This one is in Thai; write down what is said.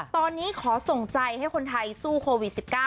ตอนนี้ขอส่งใจให้คนไทยสู้โควิด๑๙